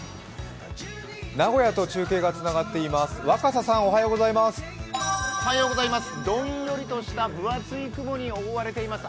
名古屋と中継がつながっています、若狭さん、おはようございます。